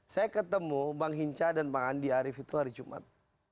saya ketemu bang hinca dan bang andi arief itu hari jumat